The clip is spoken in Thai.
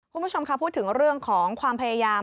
คุณผู้ชมค่ะพูดถึงเรื่องของความพยายาม